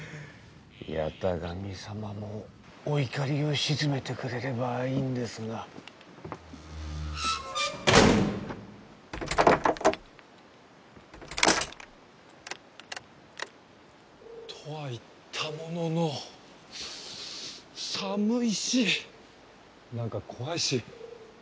八咫神様もお怒りを鎮めてくれればいいんですが。とは言ったものの寒いしなんか怖いし。